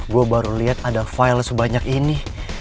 gue baru lihat ada file sebanyak ini